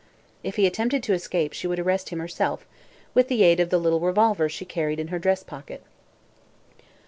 If he attempted to escape she would arrest him herself, with the aid of the little revolver she carried in her dress pocket.